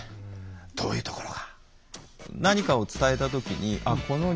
どういうところが？